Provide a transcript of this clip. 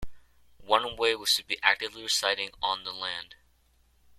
One way was to be actively residing on the land.